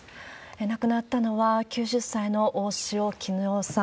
亡くなったのは、９０歳の大塩衣与さん。